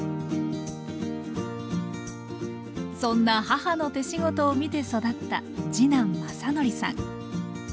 そんな母の手仕事を見て育った次男将範さん。